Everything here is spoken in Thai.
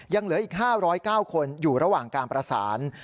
ยังเหลืออีก๕๐๙คนอยู่ระหว่างการประสาน